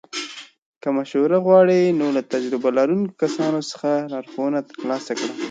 که مشوره وغواړې، نو له تجربه لرونکو کسانو څخه لارښوونه ترلاسه کړه.